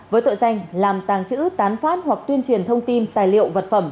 với tội danh làm tàng trữ tán phát hoặc tuyên truyền thông tin tài liệu vật phẩm